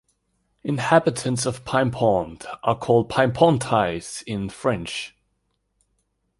Inhabitants of Paimpont are called "Paimpontais" in French.